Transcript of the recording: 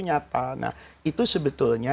nyata nah itu sebetulnya